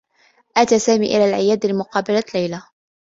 أتى سامي إلى العيادة لمقابلة ليلى.